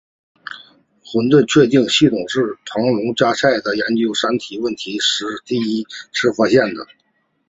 混沌确定系统是庞加莱在研究三体问题时第一次发现的。